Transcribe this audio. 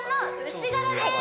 牛柄です！